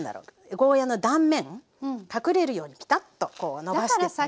ゴーヤーの断面隠れるようにピタッとこう伸ばしてください。